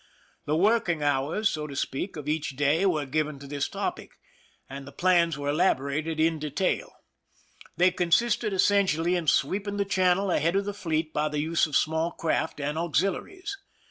The working hours, so to speak, of each day were given to this topic, and the plans were elaborated in detail. They consisted essen tially in sweeping the channel ahead of the fleet by the use of small craft and auxiliaries.